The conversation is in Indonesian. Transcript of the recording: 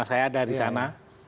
saya dari sana